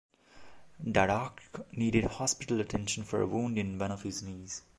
Daddach needed hospital attention for a wound in one of his knees.